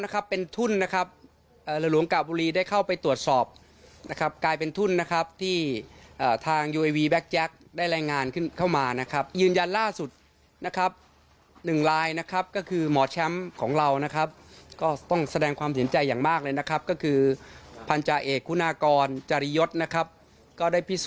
ก็ได้พิสูจน์ด้วยฟันนะครับแล้วก็ลอยสัก